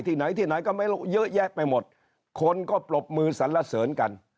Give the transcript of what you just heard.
ที่ไหนที่ไหนก็เยอะแยะไปหมดคนก็ปลบมือสรรเสริญกัน